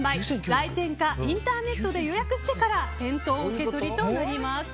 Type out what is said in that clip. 来店かインターネットで予約してから店頭受け取りとなります。